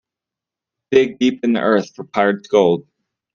Dig deep in the earth for pirate's gold.